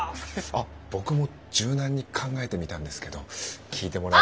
あっ僕も柔軟に考えてみたんですけど聞いてもらえ。